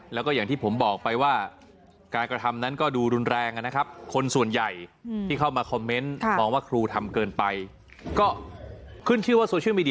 แล้วก็อย่างที่ผมบอกไปว่าการกระทำนั้นก็ดูรุนแรงอ่ะนะครับ